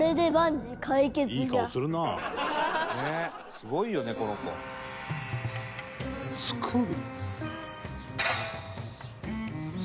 すごいよねこの子」「作る？」